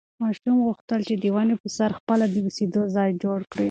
ماشوم غوښتل چې د ونې په سر کې خپله د اوسېدو ځای جوړ کړي.